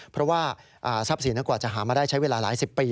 เพราะว่าทรัพย์สินกว่าจะหามาได้ใช้เวลาหลายสิบปี